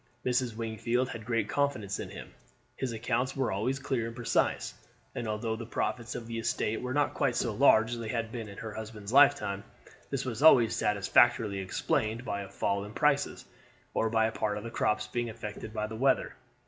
Mrs. Wingfield had great confidence in him, his accounts were always clear and precise, and although the profits of the estate were not quite so large as they had been in her husband's lifetime, this was always satisfactorily explained by a fall in prices, or by a part of the crops being affected by the weather.